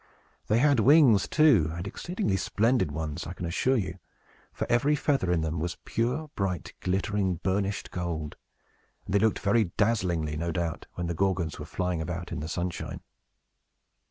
They had wings, too, and exceedingly splendid ones, I can assure you; for every feather in them was pure, bright, glittering, burnished gold, and they looked very dazzlingly, no doubt, when the Gorgons were flying about in the sunshine.